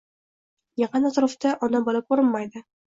Yaqin atrofda ona-bola ko`rinmaydi